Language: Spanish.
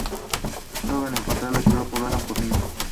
Logran encontrar la ciudad poblada por niños.